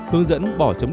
hướng dẫn bỏ chấm điểm bỏ